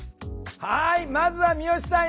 はいまずは三好さん